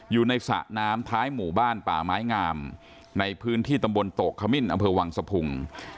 สระน้ำท้ายหมู่บ้านป่าไม้งามในพื้นที่ตำบลโตกขมิ้นอำเภอวังสะพุง